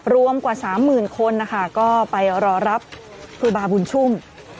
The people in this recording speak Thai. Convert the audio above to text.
รวมกว่า๓๐๐๐คนนะคะก็ไปรอรับครูบาบุญชุ่ม